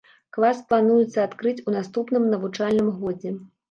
Клас плануецца адкрыць у наступным навучальным годзе.